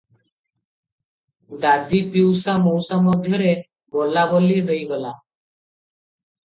ଦାଦି ପିଉସା ମଉସା ମଧ୍ୟରେ ବୋଲାବୋଲି ହୋଇଗଲା ।